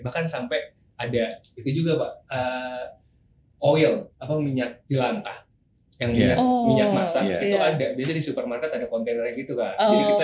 bahkan sampai ada itu juga pak oil apa minyak jelantah minyak masak itu ada biasanya di supermarket ada kontainernya gitu kak